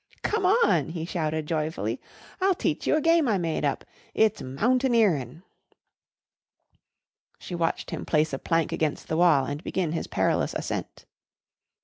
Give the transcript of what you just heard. "Come on," he shouted joyfully. "I'll teach you a game I made up. It's mountaineerin'." She watched him place a plank against the wall and begin his perilous ascent.